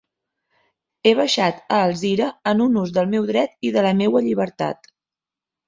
He baixat a Alzira en ús del meu dret i de la meua llibertat.